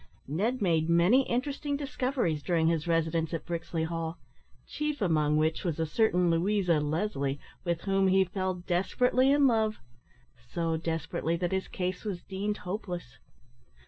Ned made many interesting discoveries during his residence at Brixley Hall, chief among which was a certain Louisa Leslie, with whom he fell desperately in love so desperately that his case was deemed hopeless.